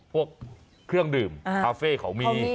พวกเครื่องดื่มคาเฟ่เขามี